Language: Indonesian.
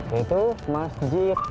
yaitu masjid sang cipta rasa